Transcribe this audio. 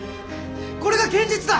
これが現実だ！